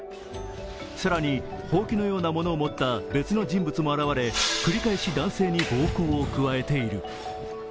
更に、ほうきのようなものを持った別の人物も現れ、繰り返し男性に暴行を加えている。